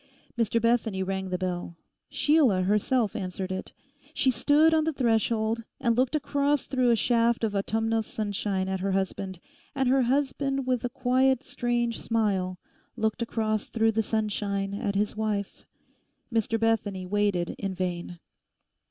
Mr Bethany rang the bell. Sheila herself answered it. She stood on the threshold and looked across through a shaft of autumnal sunshine at her husband, and her husband with a quiet strange smile looked across through the sunshine at his wife. Mr Bethany waited in vain.